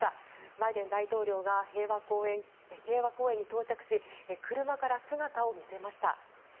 バイデン大統領が平和公園に到着し車から姿を見せました。